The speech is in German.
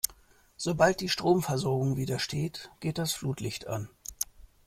Sobald die Stromversorgung wieder steht, geht das Flutlicht an.